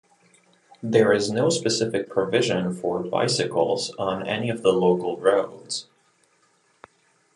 There is no specific provision for bicycles on any of the local roads.